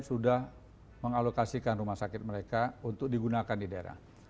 sudah mengalokasikan rumah sakit mereka untuk digunakan di daerah